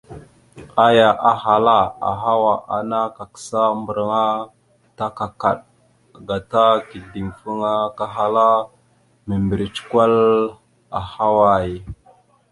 Aya ahala: « Ahawa ana kakǝsa mbarǝŋa ta kakaɗ, gata kideŋfaŋa kahala mimbirec kwal ahaway? ».